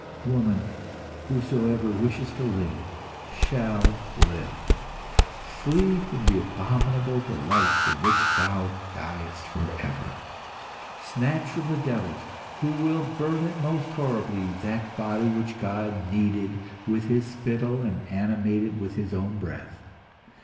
"Woman, whosoever wishes to live shall live. Flee from the abominable delights in which thou diest for ever. Snatch from the devils, who will burn it most horribly, that body which God kneaded with His spittle and animated with his own breath.